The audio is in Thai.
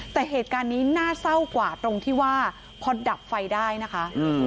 แต่เหตุการณ์นี้น่าเศร้ากว่าตรงที่ว่าพอดับไฟได้นะคะ